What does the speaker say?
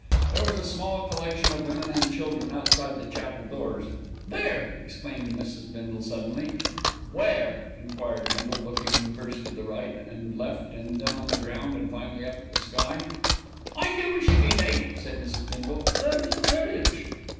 There was a small collection of women and children outside the chapel doors. "There!" exclaimed Mrs. Bindle suddenly. "Where?" enquired Bindle, looking first to the right and left, then on the ground and finally up at the sky. "I knew we should be late," said Mrs. Bindle. "There's the carriage."